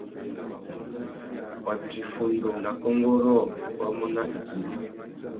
Watu iffundu nà kônkô rôō wá mú nà ipîmbîri.